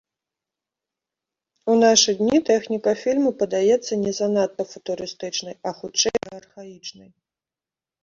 У нашы дні тэхніка фільму падаецца не занадта футурыстычнай, а хутчэй і архаічнай.